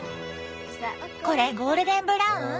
これゴールデンブラウン？